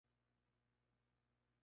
Una terrorífica pesadilla hecha realidad.